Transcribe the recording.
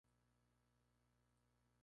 La representación fue retransmitida.